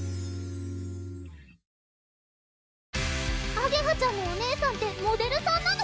あげはちゃんのお姉さんってモデルさんなの？